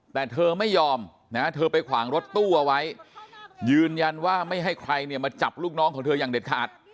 แต่เธอไม่ยอมนะเธอไปขวางรถตู้เอาไว้ยืนยันว่าไม่ให้ใครเนี่ยมาจับลูกน้องของเธออย่างเด็ดขาด